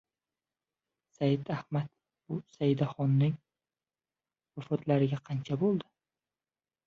— Said Ahmad, bu Saidaxonning vafotlariga qancha bo‘ldi?